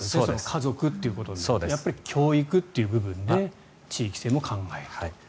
家族ということになるとやっぱり教育という部分で地域性も考えると。